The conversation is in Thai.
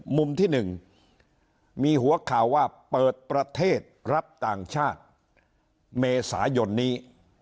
มุมที่๑มีหัวข่าวว่าเปิดประเทศรับต่างชาติเมษายนนี้